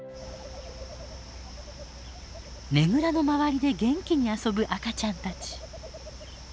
ねぐらの周りで元気に遊ぶ赤ちゃんたち。